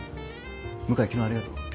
向井昨日はありがとう。